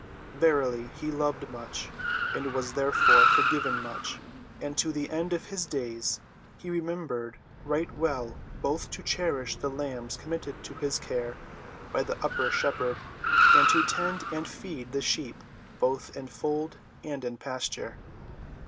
Verily he loved much, and was therefore forgiven much. And to the end of his days he remembered right well both to cherish the lambs committed to his care by the Upper Shepherd, and to tend and feed the sheep both in fold and in pasture.